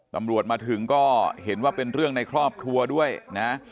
ตำรวจมาถึงก็เห็นว่าเป็นเรื่องในครอบครัวด้วยนะ